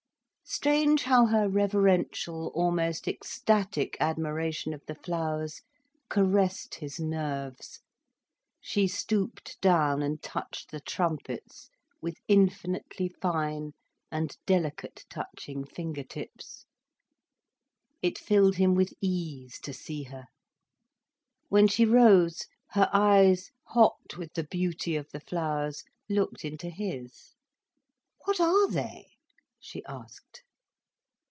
Strange how her reverential, almost ecstatic admiration of the flowers caressed his nerves. She stooped down, and touched the trumpets, with infinitely fine and delicate touching finger tips. It filled him with ease to see her. When she rose, her eyes, hot with the beauty of the flowers, looked into his. "What are they?" she asked.